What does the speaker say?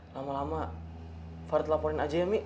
lama lama farid laporin aja ya mi